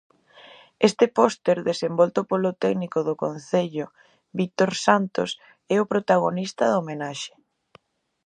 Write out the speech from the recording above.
Este póster desenvolto polo técnico do concello Vítor Santos é o protagonista da homenaxe.